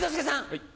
はい。